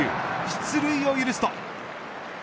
出塁を許すと。